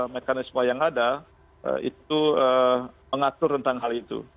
mekanisme yang ada itu mengatur tentang hal itu